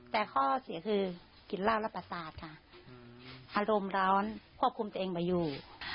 แต่ข้อเสียคือกินเหล้าและประสาทค่ะอารมณ์ร้อนควบคุมตัวเองไม่อยู่